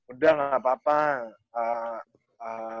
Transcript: udah nggak apa apa